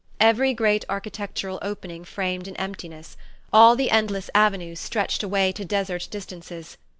Every great architectural opening framed an emptiness; all the endless avenues stretched away to desert distances.